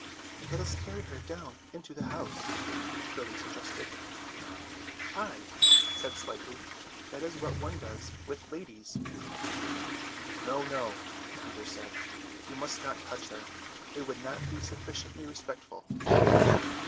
"Let us carry her down into the house," Curly suggested. "Ay," said Slightly, "that is what one does with ladies." "No, no," Peter said, "you must not touch her. It would not be sufficiently respectful."